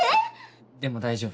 でも大丈夫。